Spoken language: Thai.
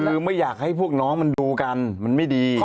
คือไม่อยากให้พวกน้องมันดูกันมันไม่ดี